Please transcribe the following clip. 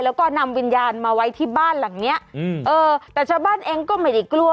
แล้วก็นำวิญญาณมาไว้ที่บ้านหลังเนี้ยอืมเออแต่ชาวบ้านเองก็ไม่ได้กลัว